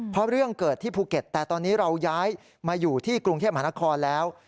เพราะเรื่องเกิดที่ภูเก็ตแต่ตอนนี้เราย้ายมาอยู่ที่กรุงเทพมหานครแล้ว